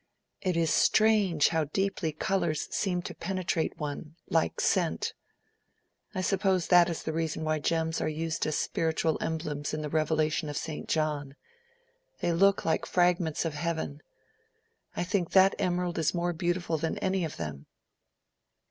"It is strange how deeply colors seem to penetrate one, like scent. I suppose that is the reason why gems are used as spiritual emblems in the Revelation of St. John. They look like fragments of heaven. I think that emerald is more beautiful than any of them."